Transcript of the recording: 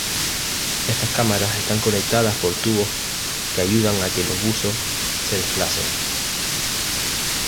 Estas cámaras estas conectadas por tubos que ayudan a que los buzos se desplacen.